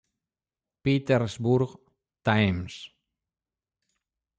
Petersburg Times.